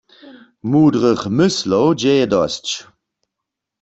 Mudrych myslow dźě je dosć.